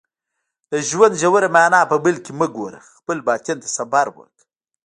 د ژوند ژوره معنا په بل کې مه ګوره خپل باطن ته سفر وکړه